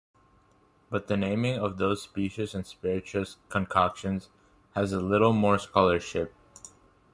But the naming of those specious and spirituous concoctions has a little more scholarship.